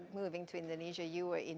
kami sudah siap dengan truk kami